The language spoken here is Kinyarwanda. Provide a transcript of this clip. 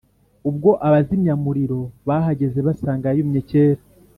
ubwo abazimyamuriro bahageze basanga yumye kera